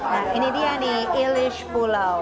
nah ini dia nih ilish pulau